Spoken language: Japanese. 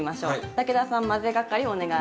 武田さん混ぜ係お願いします。